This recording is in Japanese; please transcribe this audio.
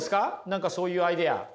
何かそういうアイデア。